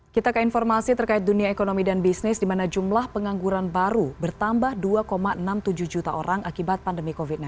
kita ke informasi terkait dunia ekonomi dan bisnis di mana jumlah pengangguran baru bertambah dua enam puluh tujuh juta orang akibat pandemi covid sembilan belas